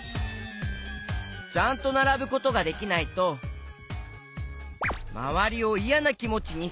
ちゃんとならぶことができないとまわりをいやなきもちにさせる！